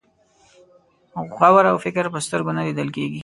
غور او فکر په سترګو نه لیدل کېږي.